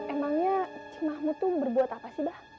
emangnya cing mahmud itu berbuat apa sih mbak